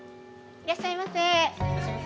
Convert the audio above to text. いらっしゃいませ。